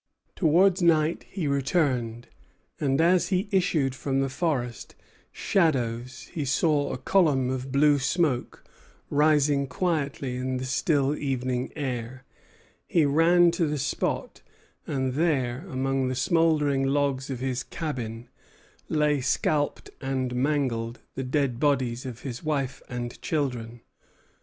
Towards night he returned; and as he issued from the forest shadows he saw a column of blue smoke rising quietly in the still evening air. He ran to the spot; and there, among the smouldering logs of his dwelling, lay, scalped and mangled, the dead bodies of wife and children.